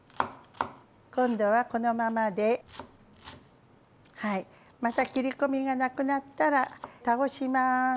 今度はこのままではいまた切り込みがなくなったら倒します。